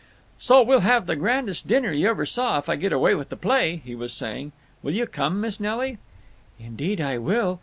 "Say, we'll have the grandest dinner you ever saw if I get away with the play," he was saying. "Will you come, Miss Nelly?" "Indeed I will!